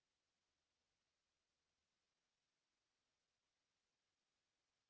เชอดรกใต้วิทยาลัยเป็นสิ่งที่เราจะต้องเคลื่อนไทยด้วย